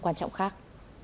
quan trọng khác